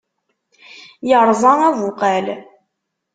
Yerẓa abuqal.